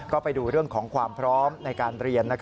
ก็ไปดูเรื่องของความพร้อมในการเรียน